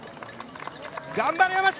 頑張れ山下！